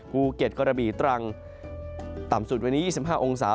ภูเก็ตกระบี่ตรังต่ำสุดวันนี้๒๕องศา